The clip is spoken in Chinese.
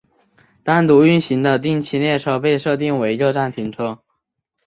单独运行的定期列车被设定为各站停车。